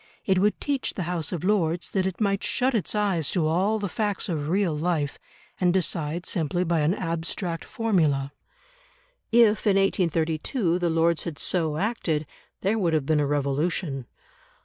It would teach the House of Lords that it might shut its eyes to all the facts of real life and decide simply by an abstract formula. If in 1832 the Lords had so acted, there would have been a revolution.